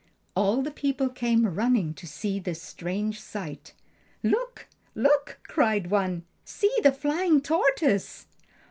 All the people came running to see this strange sight. "Look! look!" cried one. "See the flying tortoise!"